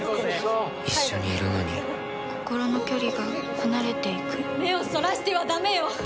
一緒にいるのに心の距離が離れていく目をそらしてはダメよ。